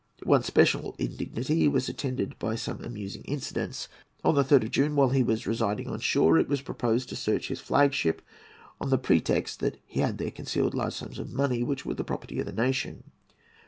One special indignity was attended by some amusing incidents. On the 3rd of June, while he was residing on shore, it was proposed to search his flag ship, on the pretext that he had there concealed large sums of money which were the property of the nation.